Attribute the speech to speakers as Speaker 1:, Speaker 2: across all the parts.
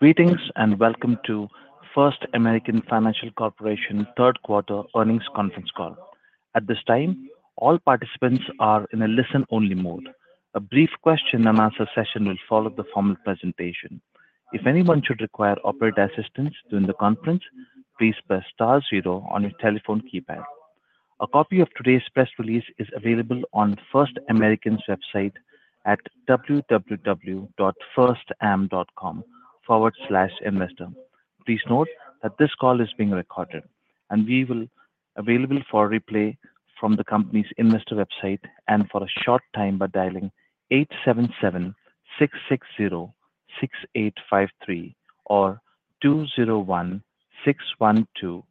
Speaker 1: Greetings, and welcome to First American Financial Corporation Third Quarter Earnings Conference Call. At this time, all participants are in a listen-only mode. A brief question and answer session will follow the formal presentation. If anyone should require operator assistance during the conference, please press star zero on your telephone keypad. A copy of today's press release is available on First American's website at www.firstam.com/investor. Please note that this call is being recorded, and we will available for replay from the company's investor website and for a short time by dialing eight seven seven six six zero six eight five three or two zero one six one two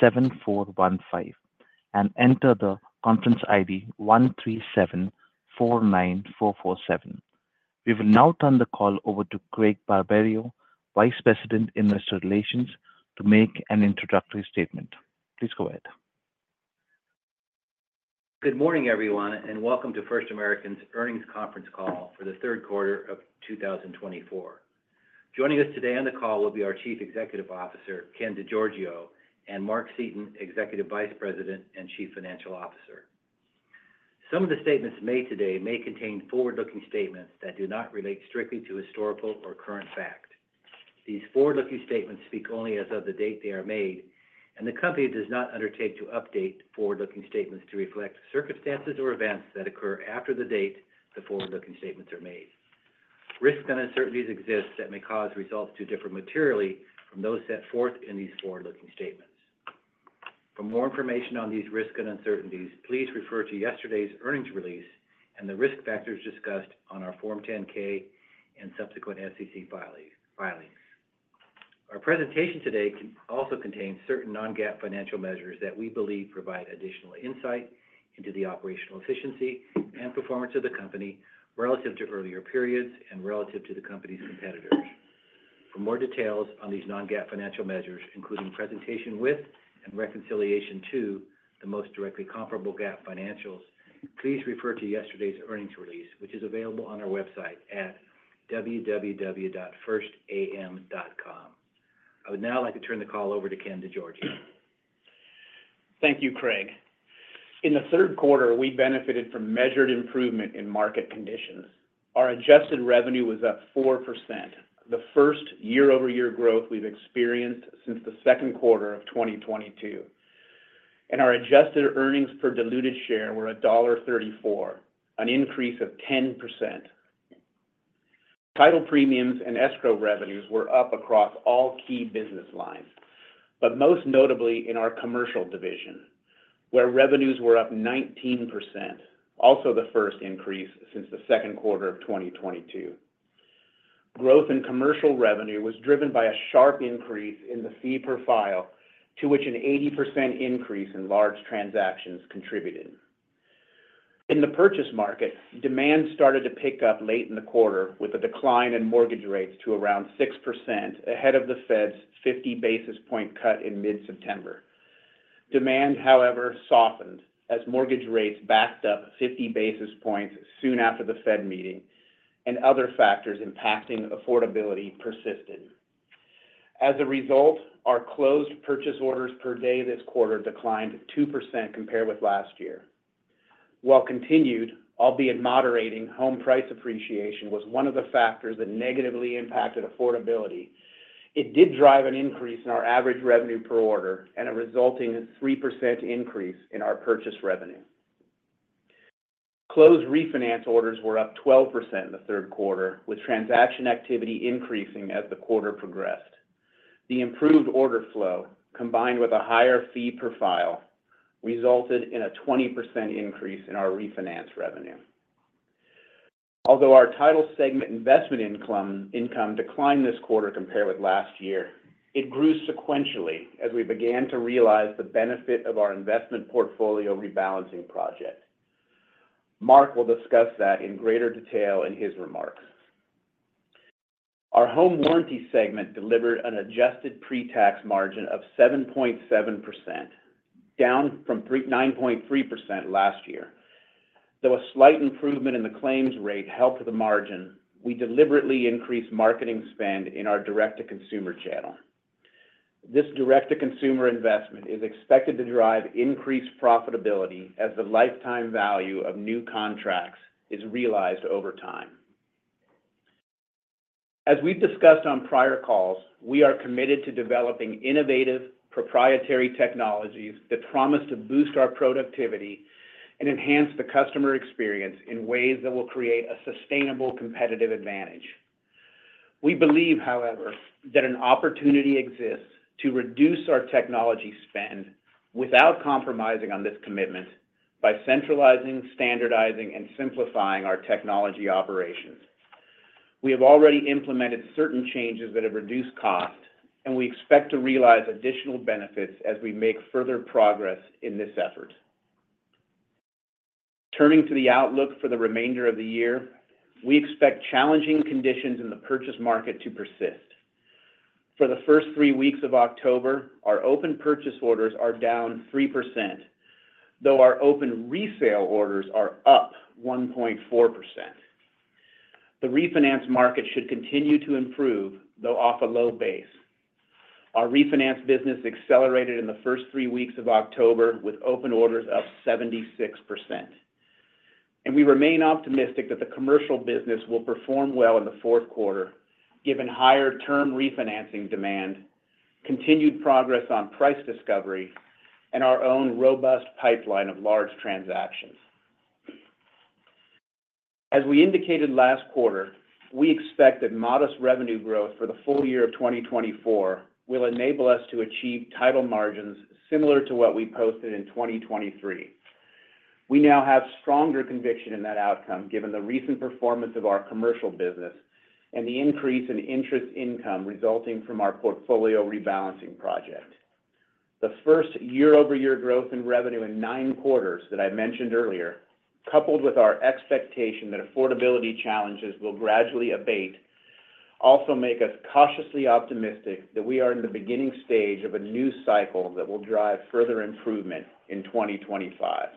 Speaker 1: seven four one five and enter the conference ID one three seven four nine four four seven. We will now turn the call over to Craig Barberio, Vice President, Investor Relations, to make an introductory statement. Please go ahead.
Speaker 2: Good morning, everyone, and welcome to First American's Earnings Conference Call for The Third Quarter of 2024. Joining us today on the call will be our Chief Executive Officer, Ken DeGiorgio, and Mark Seaton, Executive Vice President and Chief Financial Officer. Some of the statements made today may contain forward-looking statements that do not relate strictly to historical or current fact. These forward-looking statements speak only as of the date they are made, and the company does not undertake to update forward-looking statements to reflect circumstances or events that occur after the date the forward-looking statements are made. Risks and uncertainties exist that may cause results to differ materially from those set forth in these forward-looking statements. For more information on these risks and uncertainties, please refer to yesterday's earnings release and the risk factors discussed on our Form 10-K and subsequent SEC filings. Our presentation today can also contain certain non-GAAP financial measures that we believe provide additional insight into the operational efficiency and performance of the company relative to earlier periods and relative to the company's competitors. For more details on these non-GAAP financial measures, including presentation with and reconciliation to the most directly comparable GAAP financials, please refer to yesterday's earnings release, which is available on our website at www.firstam.com. I would now like to turn the call over to Ken DeGiorgio.
Speaker 3: Thank you, Craig. In the third quarter, we benefited from measured improvement in market conditions. Our adjusted revenue was up 4%, the first year-over-year growth we've experienced since the second quarter of 2022, and our adjusted earnings per diluted share were $1.34, an increase of 10%. Title premiums and escrow revenues were up across all key business lines, but most notably in our commercial division, where revenues were up 19%, also the first increase since the second quarter of 2022. Growth in commercial revenue was driven by a sharp increase in the fee per file, to which an 80% increase in large transactions contributed. In the purchase market, demand started to pick up late in the quarter with a decline in mortgage rates to around 6% ahead of the Fed's 50 basis points cut in mid-September. Demand, however, softened as mortgage rates backed up fifty basis points soon after the Fed meeting and other factors impacting affordability persisted. As a result, our closed purchase orders per day this quarter declined 2% compared with last year. While continued, albeit moderating, home price appreciation was one of the factors that negatively impacted affordability, it did drive an increase in our average revenue per order and a resulting 3% increase in our purchase revenue. Closed refinance orders were up 12% in the third quarter, with transaction activity increasing as the quarter progressed. The improved order flow, combined with a higher fee per file, resulted in a 20% increase in our refinance revenue. Although our title segment investment income declined this quarter compared with last year, it grew sequentially as we began to realize the benefit of our investment portfolio rebalancing project. Mark will discuss that in greater detail in his remarks. Our home warranty segment delivered an adjusted pre-tax margin of 7.7%, down from 9.3% last year. Though a slight improvement in the claims rate helped the margin, we deliberately increased marketing spend in our direct-to-consumer channel. This direct-to-consumer investment is expected to drive increased profitability as the lifetime value of new contracts is realized over time. As we've discussed on prior calls, we are committed to developing innovative, proprietary technologies that promise to boost our productivity and enhance the customer experience in ways that will create a sustainable competitive advantage. We believe, however, that an opportunity exists to reduce our technology spend without compromising on this commitment by centralizing, standardizing, and simplifying our technology operations. We have already implemented certain changes that have reduced costs, and we expect to realize additional benefits as we make further progress in this effort. Turning to the outlook for the remainder of the year, we expect challenging conditions in the purchase market to persist. For the first three weeks of October, our open purchase orders are down 3%. Though our open resale orders are up 1.4%. The refinance market should continue to improve, though off a low base. Our refinance business accelerated in the first three weeks of October, with open orders up 76%. And we remain optimistic that the commercial business will perform well in the fourth quarter, given higher term refinancing demand, continued progress on price discovery, and our own robust pipeline of large transactions. As we indicated last quarter, we expect that modest revenue growth for the full year of 2024 will enable us to achieve title margins similar to what we posted in 2023. We now have stronger conviction in that outcome, given the recent performance of our commercial business and the increase in interest income resulting from our portfolio rebalancing project. The first year-over-year growth in revenue in nine quarters that I mentioned earlier, coupled with our expectation that affordability challenges will gradually abate, also make us cautiously optimistic that we are in the beginning stage of a new cycle that will drive further improvement in 2025.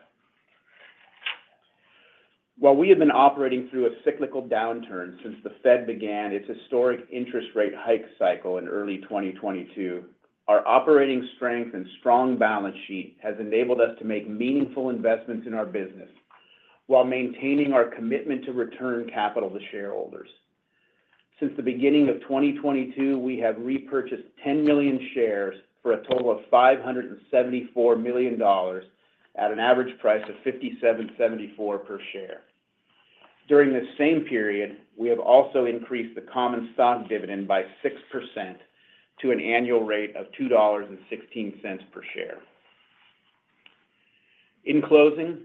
Speaker 3: While we have been operating through a cyclical downturn since the Fed began its historic interest rate hike cycle in early 2022, our operating strength and strong balance sheet has enabled us to make meaningful investments in our business while maintaining our commitment to return capital to shareholders. Since the beginning of 2022, we have repurchased 10 million shares for a total of $574 million at an average price of $57.74 per share. During this same period, we have also increased the common stock dividend by 6% to an annual rate of $2.16 per share. In closing,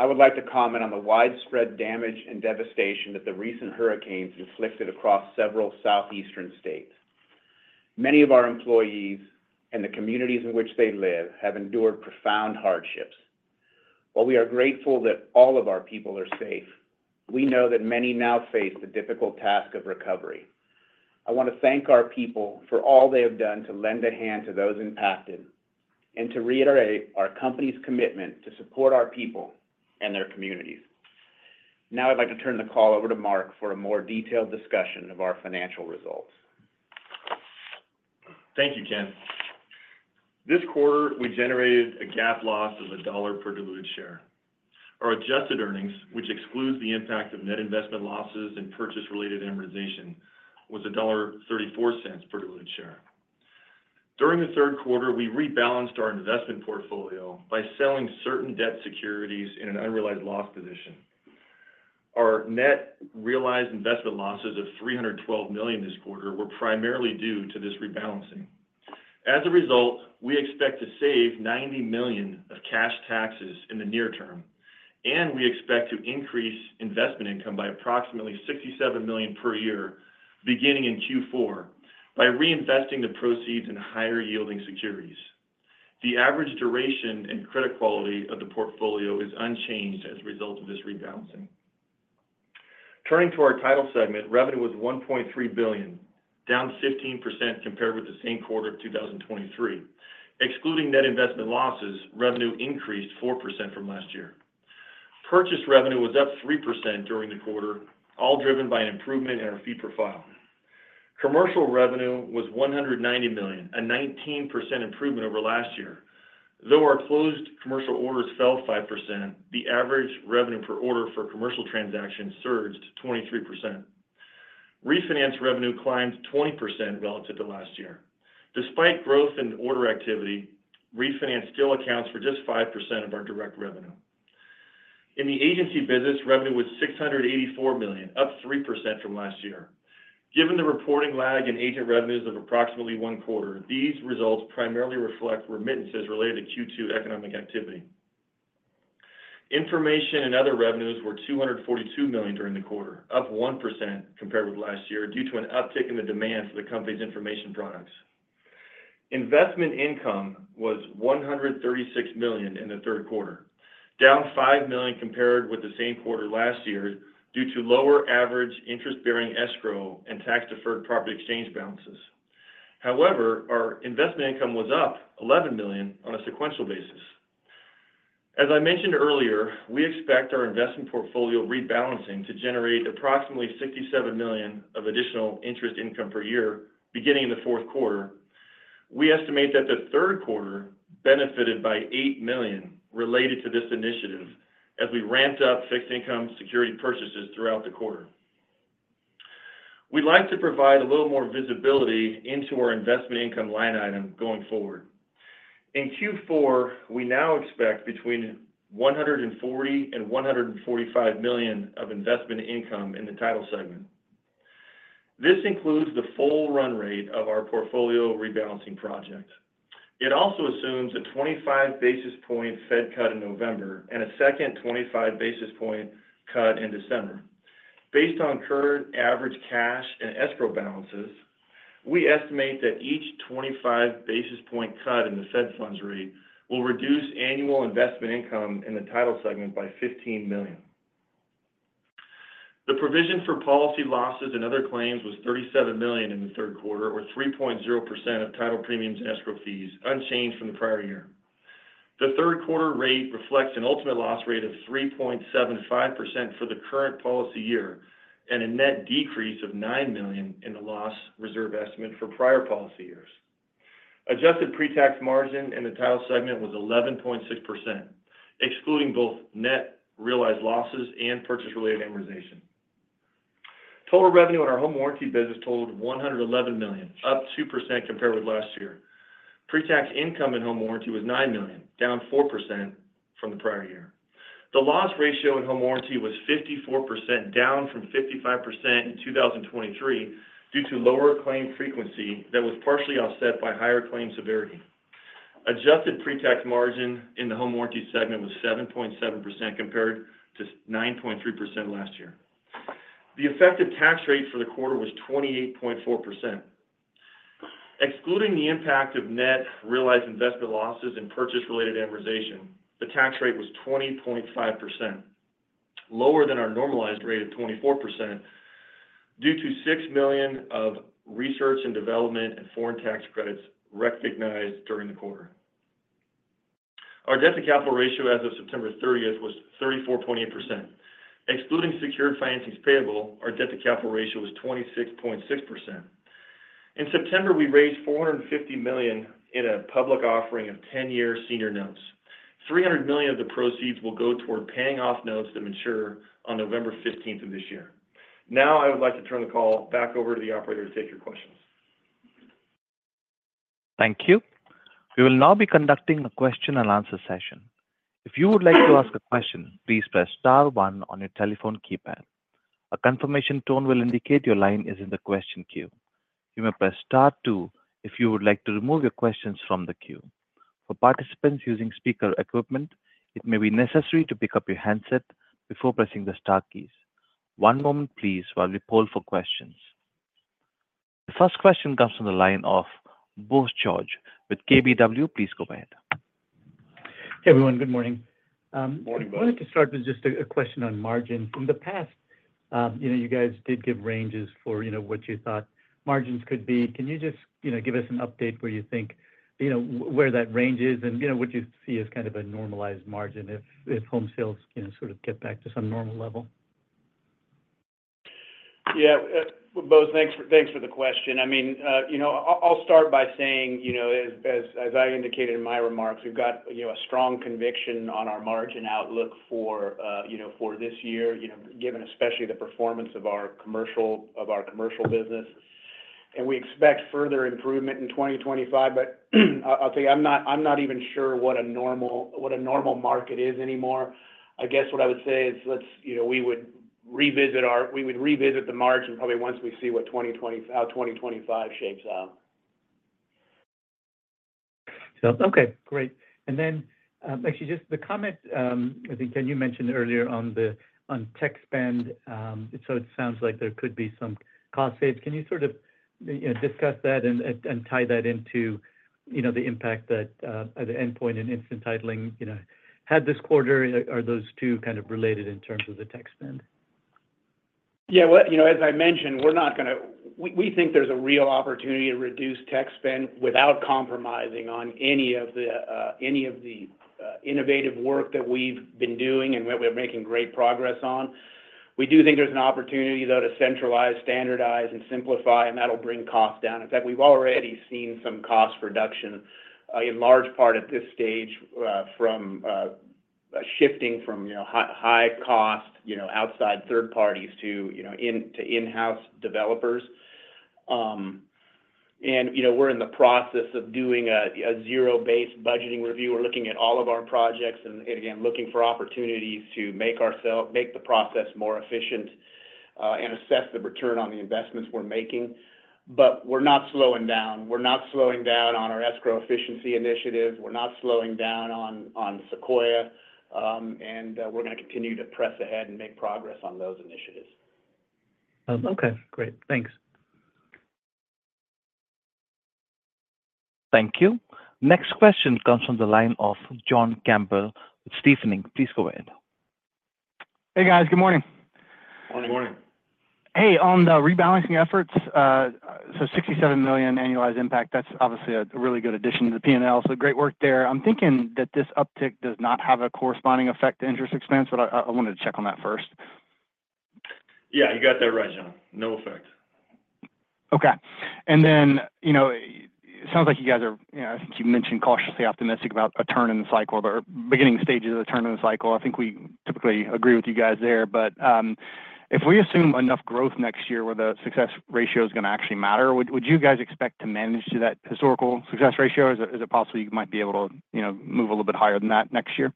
Speaker 3: I would like to comment on the widespread damage and devastation that the recent hurricanes inflicted across several southeastern states. Many of our employees and the communities in which they live have endured profound hardships. While we are grateful that all of our people are safe, we know that many now face the difficult task of recovery. I want to thank our people for all they have done to lend a hand to those impacted, and to reiterate our company's commitment to support our people and their communities. Now I'd like to turn the call over to Mark for a more detailed discussion of our financial results.
Speaker 4: Thank you, Ken. This quarter, we generated a GAAP loss of $1 per diluted share. Our adjusted earnings, which excludes the impact of net investment losses and purchase-related amortization, was $1.34 per diluted share. During the third quarter, we rebalanced our investment portfolio by selling certain debt securities in an unrealized loss position. Our net realized investment losses of $312 million this quarter were primarily due to this rebalancing. As a result, we expect to save $90 million of cash taxes in the near term, and we expect to increase investment income by approximately $67 million per year, beginning in Q4, by reinvesting the proceeds in higher-yielding securities. The average duration and credit quality of the portfolio is unchanged as a result of this rebalancing. Turning to our title segment, revenue was $1.3 billion, down 15% compared with the same quarter of 2023. Excluding net investment losses, revenue increased 4% from last year. Purchase revenue was up 3% during the quarter, all driven by an improvement in our fee per file. Commercial revenue was $190 million, a 19% improvement over last year. Though our closed commercial orders fell 5%, the average revenue per order for commercial transactions surged 23%. Refinance revenue climbed 20% relative to last year. Despite growth in order activity, refinance still accounts for just 5% of our direct revenue. In the agency business, revenue was $684 million, up 3% from last year. Given the reporting lag in agent revenues of approximately one quarter, these results primarily reflect remittances related to Q2 economic activity. Information and other revenues were $242 million during the quarter, up 1% compared with last year, due to an uptick in the demand for the company's information products. Investment income was $136 million in the third quarter, down $5 million compared with the same quarter last year due to lower average interest-bearing escrow and tax-deferred property exchange balances. However, our investment income was up $11 million on a sequential basis. As I mentioned earlier, we expect our investment portfolio rebalancing to generate approximately $67 million of additional interest income per year, beginning in the fourth quarter. We estimate that the third quarter benefited by $8 million related to this initiative as we ramped up fixed income security purchases throughout the quarter. We'd like to provide a little more visibility into our investment income line item going forward. In Q4, we now expect between $140 million and $145 million of investment income in the title segment. This includes the full run rate of our portfolio rebalancing project. It also assumes a 25 basis point Fed cut in November and a second 25 basis point cut in December. Based on current average cash and escrow balances, we estimate that each 25 basis point cut in the Fed funds rate will reduce annual investment income in the title segment by $15 million. The provision for policy losses and other claims was $37 million in the third quarter, or 3.0% of title premiums and escrow fees, unchanged from the prior year. The third quarter rate reflects an ultimate loss rate of 3.75% for the current policy year, and a net decrease of $9 million in the loss reserve estimate for prior policy years. Adjusted pre-tax margin in the title segment was 11.6%, excluding both net realized losses and purchase-related amortization. Total revenue in our home warranty business totaled $111 million, up 2% compared with last year. Pre-tax income in home warranty was $9 million, down 4% from the prior year. The loss ratio in home warranty was 54%, down from 55% in 2023 due to lower claim frequency that was partially offset by higher claim severity. Adjusted pre-tax margin in the home warranty segment was 7.7% compared to 9.3% last year. The effective tax rate for the quarter was 28.4%. Excluding the impact of net realized investment losses and purchase-related amortization, the tax rate was 20.5%, lower than our normalized rate of 24%, due to $6 million of research and development and foreign tax credits recognized during the quarter. Our debt-to-capital ratio as of September 30th was 34.8%. Excluding secured financings payable, our debt-to-capital ratio was 26.6%. In September, we raised $450 million in a public offering of 10-year senior notes. $300 million of the proceeds will go toward paying off notes that mature on November 15th of this year. Now, I would like to turn the call back over to the operator to take your questions.
Speaker 1: Thank you. We will now be conducting a question-and-answer session. If you would like to ask a question, please press star one on your telephone keypad. A confirmation tone will indicate your line is in the question queue. You may press star two if you would like to remove your questions from the queue. For participants using speaker equipment, it may be necessary to pick up your handset before pressing the star keys. One moment, please, while we poll for questions. The first question comes from the line of Bose George with KBW. Please go ahead.
Speaker 5: Hey, everyone. Good morning.
Speaker 4: Morning, Bose.
Speaker 5: I wanted to start with just a, a question on margin. In the past, you know, you guys did give ranges for, you know, what you thought margins could be. Can you just, you know, give us an update where you think, you know, where that range is and, you know, what you see as kind of a normalized margin if home sales, you know, sort of get back to some normal level?
Speaker 3: Yeah, Bose, thanks for the question. I mean, you know, I'll start by saying, you know, as I indicated in my remarks, we've got, you know, a strong conviction on our margin outlook for, you know, for this year, you know, given especially the performance of our commercial business. And we expect further improvement in 2025. But, I'll tell you, I'm not even sure what a normal market is anymore. I guess what I would say is, you know, we would revisit the margin probably once we see how 2025 shapes out.
Speaker 5: So, okay, great. And then, actually, just the comment, I think, Ken, you mentioned earlier on the tech spend, so it sounds like there could be some cost saves. Can you sort of, you know, discuss that and tie that into, you know, the impact that the Endpoint and Instant Titling, you know, had this quarter? Are those two kind of related in terms of the tech spend?
Speaker 3: Yeah, well, you know, as I mentioned, we're not gonna. We think there's a real opportunity to reduce tech spend without compromising on any of the innovative work that we've been doing and that we're making great progress on. We do think there's an opportunity, though, to centralize, standardize, and simplify, and that'll bring costs down. In fact, we've already seen some cost reduction in large part at this stage from shifting from, you know, high cost outside third parties to, you know, in-house developers. And, you know, we're in the process of doing a zero-based budgeting review. We're looking at all of our projects and again, looking for opportunities to make the process more efficient and assess the return on the investments we're making. But we're not slowing down. We're not slowing down on our escrow efficiency initiatives. We're not slowing down on Sequoia, and we're gonna continue to press ahead and make progress on those initiatives.
Speaker 5: Okay, great. Thanks.
Speaker 1: Thank you. Next question comes from the line of John Campbell with Stifel Nicolaus. Please go ahead.
Speaker 6: Hey, guys. Good morning.
Speaker 4: Good morning.
Speaker 3: Morning.
Speaker 7: Hey, on the rebalancing efforts, so $67 million annualized impact, that's obviously a really good addition to the P&L, so great work there. I'm thinking that this uptick does not have a corresponding effect to interest expense, but I wanted to check on that first.
Speaker 4: Yeah, you got that right, John. No effect.
Speaker 7: Okay. And then, you know, it sounds like you guys are, you know, I think you mentioned cautiously optimistic about a turn in the cycle or beginning stages of the turn in the cycle. I think we typically agree with you guys there. But if we assume enough growth next year, where the success ratio is gonna actually matter, would you guys expect to manage to that historical success ratio? Is it possible you might be able to, you know, move a little bit higher than that next year?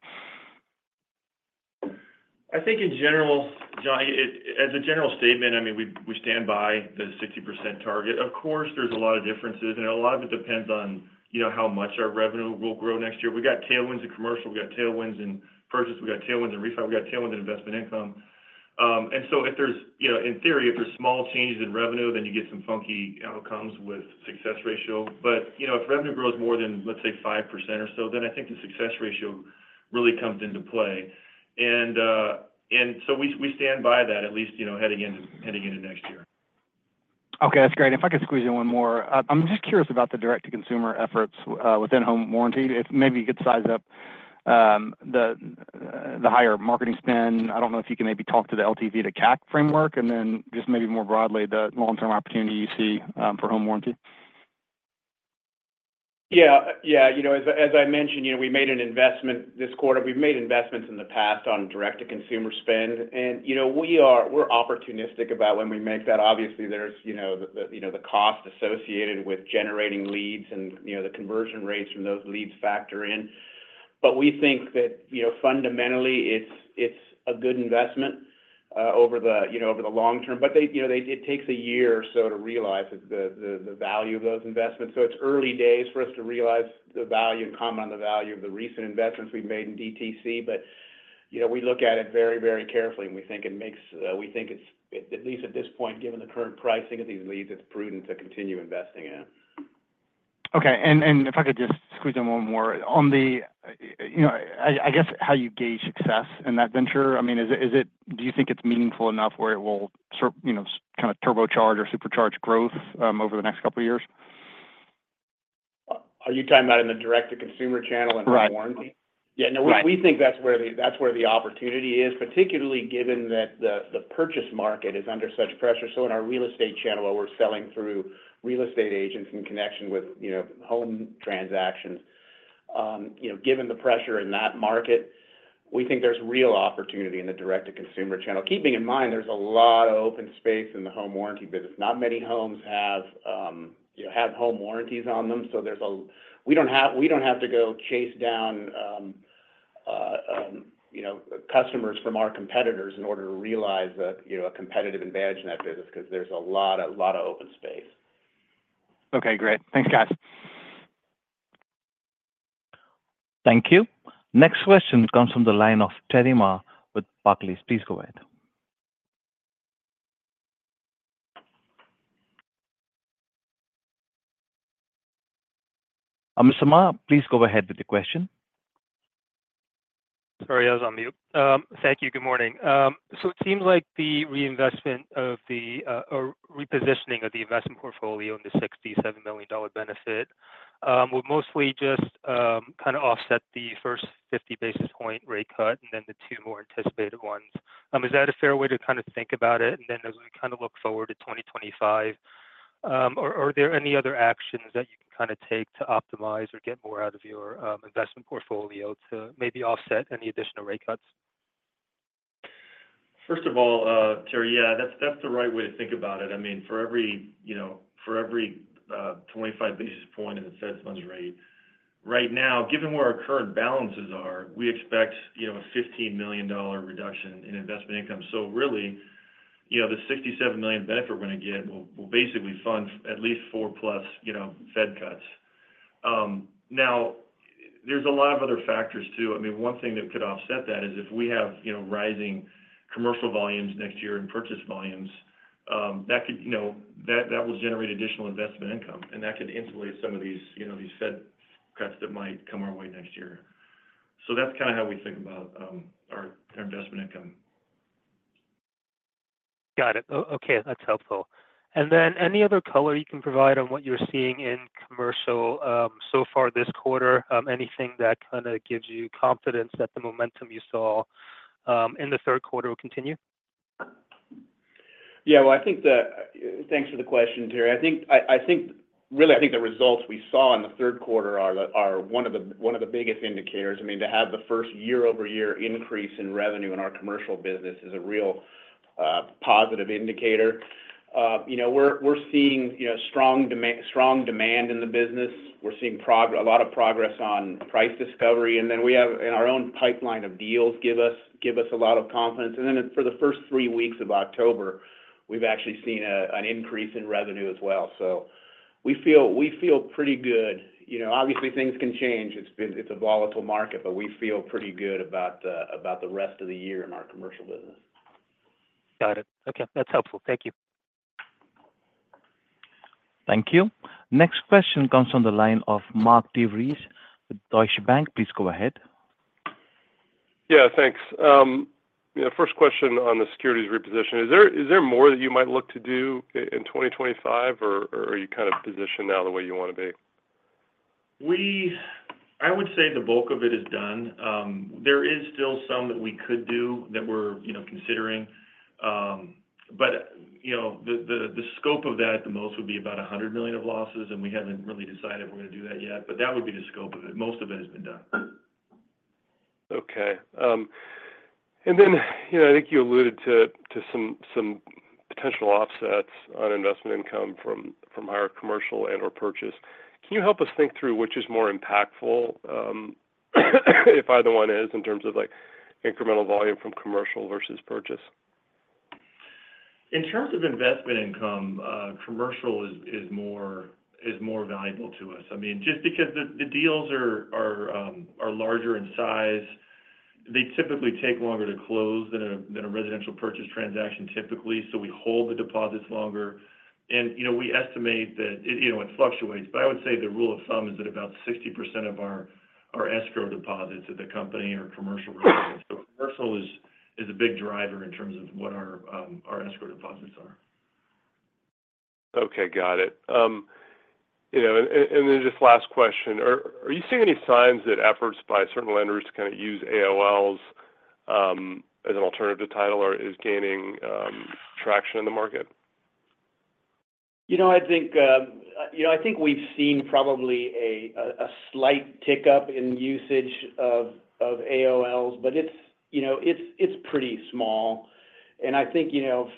Speaker 3: I think in general, John, as a general statement, I mean, we, we stand by the 60% target. Of course, there's a lot of differences, and a lot of it depends on, you know, how much our revenue will grow next year. We got tailwinds in commercial, we got tailwinds in purchase, we got tailwinds in refi, we got tailwinds in investment income. And so if there's, you know, in theory, if there's small changes in revenue, then you get some funky outcomes with success ratio. But, you know, if revenue grows more than, let's say, 5% or so, then I think the success ratio really comes into play. And, and so we, we stand by that, at least, you know, heading in, heading into next year.
Speaker 7: Okay, that's great. If I could squeeze in one more. I'm just curious about the direct-to-consumer efforts within home warranty. If maybe you could size up the higher marketing spend. I don't know if you can maybe talk to the LTV-to-CAC framework, and then just maybe more broadly, the long-term opportunity you see for home warranty.
Speaker 3: Yeah. Yeah, you know, as I mentioned, you know, we made an investment this quarter. We've made investments in the past on direct-to-consumer spend, and, you know, we're opportunistic about when we make that. Obviously, there's, you know, the cost associated with generating leads and, you know, the conversion rates from those leads factor in. But we think that, you know, fundamentally, it's a good investment over the long term. But they, you know, they, it takes a year or so to realize the value of those investments, so it's early days for us to realize the value and comment on the value of the recent investments we've made in DTC. But, you know, we look at it very, very carefully, and we think it makes. We think it's, at least at this point, given the current pricing of these leads, it's prudent to continue investing in.
Speaker 6: Okay. And if I could just squeeze in one more. On the, you know, I guess, how you gauge success in that venture, I mean, is it-- do you think it's meaningful enough where it will sort-- you know, kind of turbocharge or supercharge growth, over the next couple of years?
Speaker 3: Are you talking about in the direct-to-consumer channel in home warranty?
Speaker 6: Right. Right.
Speaker 3: Yeah, no, we think that's where the opportunity is, particularly given that the purchase market is under such pressure. So in our real estate channel, where we're selling through real estate agents in connection with, you know, home transactions, you know, given the pressure in that market, we think there's real opportunity in the direct-to-consumer channel. Keeping in mind, there's a lot of open space in the home warranty business. Not many homes have, you know, home warranties on them, so there's. We don't have to go chase down, you know, customers from our competitors in order to realize a, you know, a competitive advantage in that business because there's a lot of open space.
Speaker 6: Okay, great. Thanks, guys.
Speaker 1: Thank you. Next question comes from the line of Terry Ma with Barclays. Please go ahead. Mr. Ma, please go ahead with the question.
Speaker 8: Sorry, I was on mute. Thank you. Good morning. So it seems like the reinvestment of the, or repositioning of the investment portfolio and the $67 million benefit, will mostly just, kind of offset the first 50 basis point rate cut and then the two more anticipated ones. Is that a fair way to kind of think about it? And then as we kind of look forward to 2025, are there any other actions that you can kind of take to optimize or get more out of your, investment portfolio to maybe offset any additional rate cuts?
Speaker 4: First of all, Terry, yeah, that's the right way to think about it. I mean, for every, you know, 25 basis points in the Fed funds rate, right now, given where our current balances are, we expect, you know, a $15 million reduction in investment income. So really, you know, the $67 million benefit we're going to get will basically fund at least four plus, you know, Fed cuts. Now, there's a lot of other factors, too. I mean, one thing that could offset that is if we have, you know, rising commercial volumes next year and purchase volumes, that could, you know, that will generate additional investment income, and that could insulate some of these, you know, these Fed cuts that might come our way next year. So that's kind of how we think about our investment income.
Speaker 8: Got it. Okay, that's helpful. And then, any other color you can provide on what you're seeing in commercial, so far this quarter? Anything that kind of gives you confidence that the momentum you saw, in the third quarter will continue?
Speaker 3: Yeah, well, I think. Thanks for the question, Terry. I think, really, I think the results we saw in the third quarter are one of the biggest indicators. I mean, to have the first year-over-year increase in revenue in our commercial business is a real positive indicator. You know, we're seeing strong demand in the business. We're seeing a lot of progress on price discovery, and then we have, in our own pipeline of deals, give us a lot of confidence. And then for the first three weeks of October, we've actually seen an increase in revenue as well. So we feel pretty good. You know, obviously, things can change.It's been a volatile market, but we feel pretty good about the rest of the year in our commercial business.
Speaker 8: Got it. Okay, that's helpful. Thank you.
Speaker 1: Thank you. Next question comes from the line of Mark DeVries with Deutsche Bank. Please go ahead.
Speaker 9: Yeah, thanks. You know, first question on the securities reposition. Is there more that you might look to do in 2025, or are you kind of positioned now the way you want to be?
Speaker 3: I would say the bulk of it is done. There is still some that we could do that we're, you know, considering. But, you know, the scope of that at the most would be about $100 million of losses, and we haven't really decided we're going to do that yet, but that would be the scope of it. Most of it has been done.
Speaker 9: Okay. And then, you know, I think you alluded to some potential offsets on investment income from higher commercial and or purchase. Can you help us think through which is more impactful, if either one is, in terms of, like, incremental volume from commercial versus purchase?
Speaker 3: In terms of investment income, commercial is more valuable to us. I mean, just because the deals are larger in size, they typically take longer to close than a residential purchase transaction, typically, so we hold the deposits longer. And, you know, we estimate that, you know, it fluctuates, but I would say the rule of thumb is that about 60% of our escrow deposits at the company are commercial deposits. So commercial is a big driver in terms of what our escrow deposits are.
Speaker 9: Okay, got it. You know, and then just last question: Are you seeing any signs that efforts by certain lenders to kind of use AOLs as an alternative to title is gaining traction in the market?
Speaker 3: You know, I think, you know, I think we've seen probably a slight tick-up in usage of AOLs, but it's, you know, it's pretty small. And I think, you know,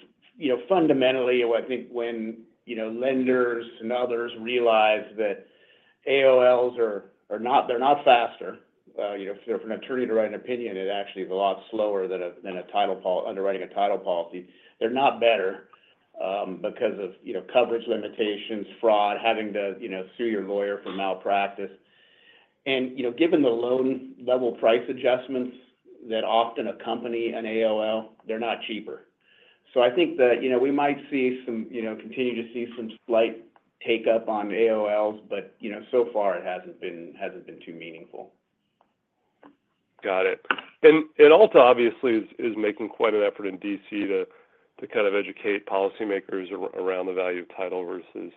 Speaker 3: fundamentally, I think when, you know, lenders and others realize that AOLs are not - they're not faster. You know, for an attorney to write an opinion, it actually is a lot slower than underwriting a title policy. They're not better, because of, you know, coverage limitations, fraud, having to, you know, sue your lawyer for malpractice. And, you know, given the loan-level price adjustments that often accompany an AOL, they're not cheaper. So I think that, you know, we might see some, you know, continue to see some slight take-up on AOLs, but, you know, so far it hasn't been too meaningful.
Speaker 9: Got it. And ALTA obviously is making quite an effort in D.C. to kind of educate policymakers around the value of title versus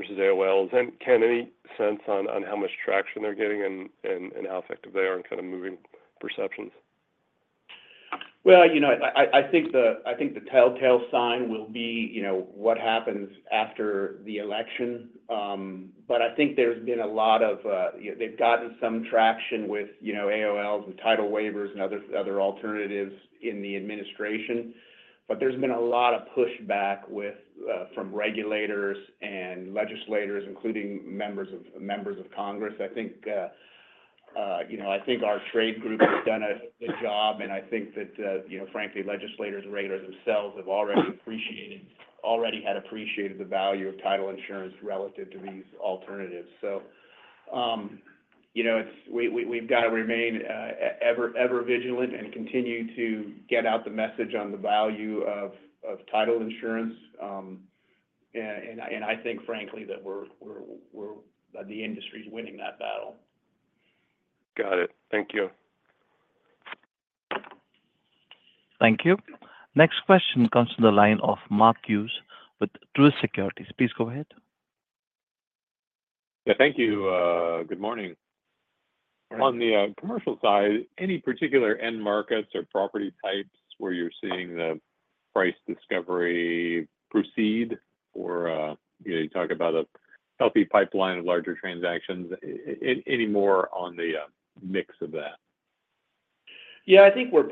Speaker 9: AOLs. And Ken, any sense on how much traction they're getting and how effective they are in kind of moving perceptions?
Speaker 3: I think the telltale sign will be, you know, what happens after the election. But I think there's been a lot of... You know, they've gotten some traction with, you know, AOLs and title waivers and other alternatives in the administration, but there's been a lot of pushback from regulators and legislators, including members of Congress. I think, you know, I think our trade group has done a good job, and I think that, you know, frankly, legislators and regulators themselves have already had appreciated the value of title insurance relative to these alternatives. So, you know, we've got to remain ever vigilant and continue to get out the message on the value of title insurance. I think, frankly, that the industry's winning that battle.
Speaker 9: Got it. Thank you.
Speaker 1: Thank you. Next question comes from the line of Mark Hughes with Truist Securities. Please go ahead.
Speaker 10: Yeah, thank you. Good morning.
Speaker 3: Morning.
Speaker 10: On the commercial side, any particular end markets or property types where you're seeing the price discovery proceed? Or, you know, you talk about a healthy pipeline of larger transactions. Any more on the mix of that?
Speaker 3: Yeah, I think we're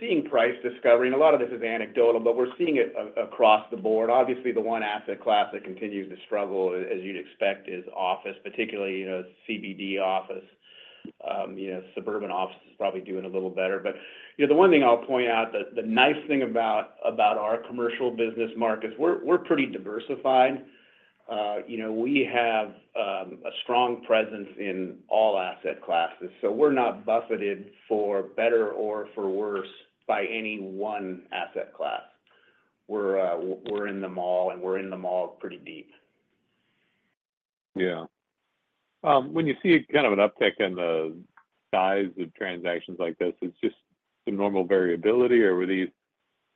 Speaker 3: seeing price discovery, and a lot of this is anecdotal, but we're seeing it across the board. Obviously, the one asset class that continues to struggle, as you'd expect, is office, particularly, you know, CBD office. You know, suburban office is probably doing a little better. But, you know, the one thing I'll point out that the nice thing about our commercial business markets, we're pretty diversified. You know, we have a strong presence in all asset classes, so we're not buffeted, for better or for worse, by any one asset class. We're in them all, and we're in them all pretty deep.
Speaker 10: Yeah. When you see kind of an uptick in the size of transactions like this, it's just some normal variability, or where these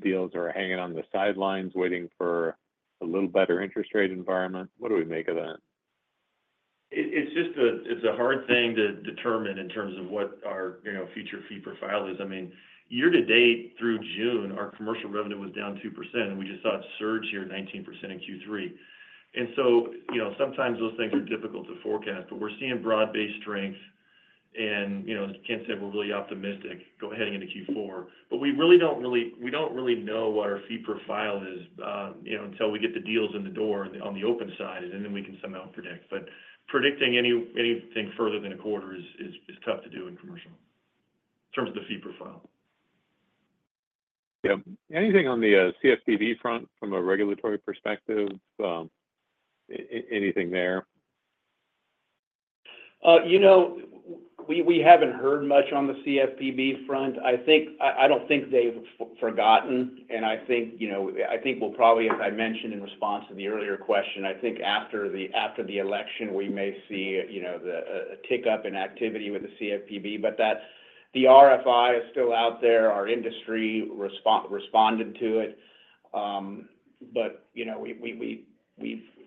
Speaker 10: deals are hanging on the sidelines waiting for a little better interest rate environment? What do we make of that?
Speaker 3: It's just a hard thing to determine in terms of what our, you know, future fee profile is. I mean, year to date, through June, our commercial revenue was down 2%, and we just saw it surge here 19% in Q3. You know, I can't say we're really optimistic go heading into Q4, but we really don't know what our fee profile is, you know, until we get the deals in the door on the open side, and then we can somehow predict. But predicting anything further than a quarter is tough to do in commercial, in terms of the fee profile.
Speaker 10: Yeah. Anything on the CFPB front from a regulatory perspective? Anything there?
Speaker 3: You know, we haven't heard much on the CFPB front. I think I don't think they've forgotten, and I think, you know, I think we'll probably, as I mentioned in response to the earlier question, I think after the election, we may see, you know, a tick-up in activity with the CFPB. But that's... The RFI is still out there. Our industry responded to it. But, you know,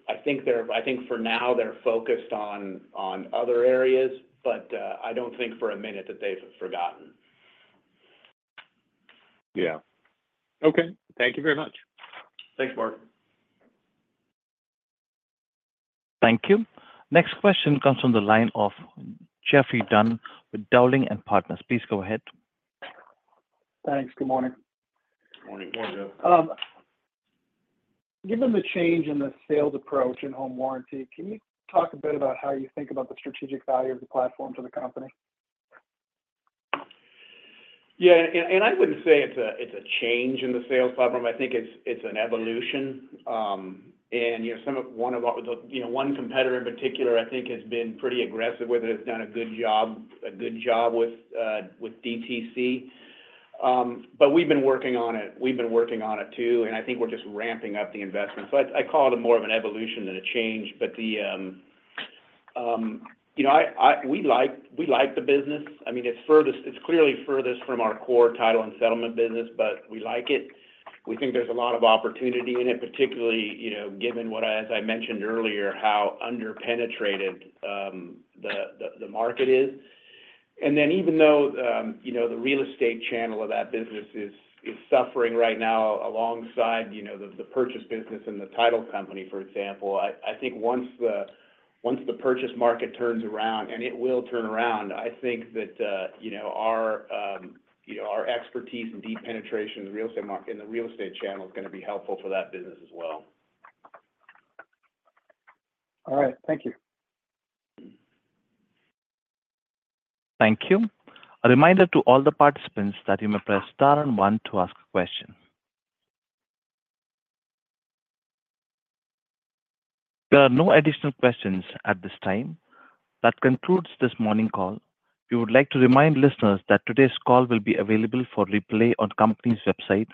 Speaker 3: I think they're. I think for now, they're focused on other areas, but I don't think for a minute that they've forgotten.
Speaker 10: Yeah. Okay. Thank you very much.
Speaker 3: Thanks, Mark.
Speaker 1: Thank you. Next question comes from the line of Geoffrey Dunn with Dowling & Partners. Please go ahead.
Speaker 11: Thanks. Good morning.
Speaker 3: Good morning.
Speaker 9: Good morning, Geoff.
Speaker 11: Given the change in the sales approach in home warranty, can you talk a bit about how you think about the strategic value of the platform to the company?
Speaker 3: Yeah, and I wouldn't say it's a change in the sales platform. I think it's an evolution. And, you know, one of our competitors in particular, I think, has been pretty aggressive with it, has done a good job with DTC. But we've been working on it. We've been working on it too, and I think we're just ramping up the investment. So I call it more of an evolution than a change. But, you know, we like the business. I mean, it's clearly furthest from our core title and settlement business, but we like it. We think there's a lot of opportunity in it, particularly, you know, given what I mentioned earlier, how underpenetrated the market is. And then, even though you know the real estate channel of that business is suffering right now alongside you know the purchase business and the title company, for example, I think once the purchase market turns around, and it will turn around, I think that you know our expertise and deep penetration in the real estate market, in the real estate channel, is gonna be helpful for that business as well.
Speaker 11: All right. Thank you.
Speaker 1: Thank you. A reminder to all the participants that you may press Star and One to ask a question. There are no additional questions at this time. That concludes this morning call. We would like to remind listeners that today's call will be available for replay on company's website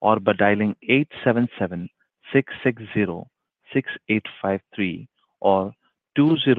Speaker 1: or by dialing eight seven seven six six zero six eight five three or two zero-